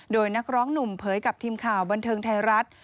โดยนักร้องหนุ่มเผยกับทีมข่าวบันเทิงไทยรัฐ